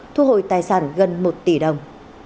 thu hồi tài sản gần một tỷ đồng